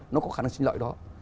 nó có khả năng sinh loại đó